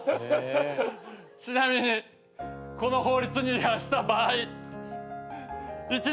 ちなみにこの法律に違反した場合。